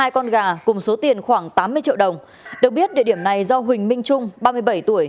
hai con gà cùng số tiền khoảng tám mươi triệu đồng được biết địa điểm này do huỳnh minh trung ba mươi bảy tuổi